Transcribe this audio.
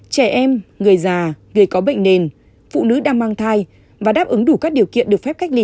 trẻ em người già người có bệnh nền phụ nữ đang mang thai và đáp ứng đủ các điều kiện được phép cách ly